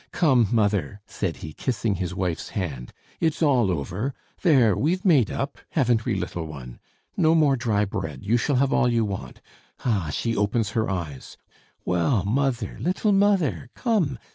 Come, mother," said he, kissing his wife's hand, "it's all over! There! we've made up haven't we, little one? No more dry bread; you shall have all you want Ah, she opens her eyes! Well, mother, little mother, come!